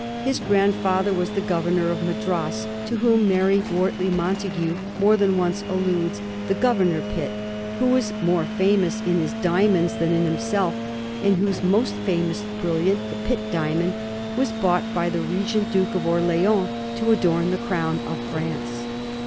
His grandfather was the GoYemor of Madras to whom Mary Wortley Montagu more than once alludes: the "Oovemor Pitt'' who was more famous in his diamonds than in himself, and whose most famous brilliant, the Pitt diamond, was bought by the Regent Duke of Orleans to adorn the crown of France.